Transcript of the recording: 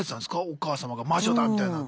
お母様が魔女だみたいな。